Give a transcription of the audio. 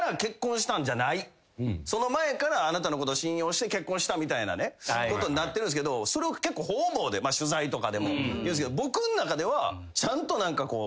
「その前からあなたのこと信用して結婚した」みたいなね。ってことになってるんですけどそれを結構方々で取材とかで僕の中ではちゃんと何かこう。